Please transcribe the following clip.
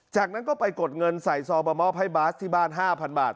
จากนั้นก็ไปกดเงินใส่ซองมามอบให้บาสที่บ้าน๕๐๐บาท